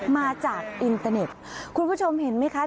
มาจากอินเตอร์เน็ตคุณผู้ชมเห็นไหมคะ